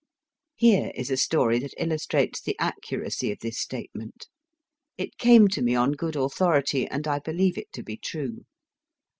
Here is a story that illustrates the accuracy of this statement ; it came to me on good authority, and I believe it to be true.